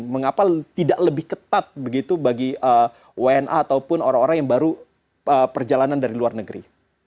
mengapa tidak lebih ketat begitu bagi wna ataupun orang orang yang baru perjalanan dari luar negeri